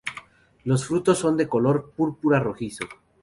Los frutos son de color púrpura rojizo.